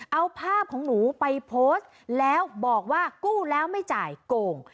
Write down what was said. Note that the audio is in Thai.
เอาภาพของหนูไปโพสต์แล้วบอกว่ากู้แล้วไม่จ่ายโกง